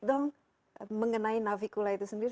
dong mengenai navicula itu sendiri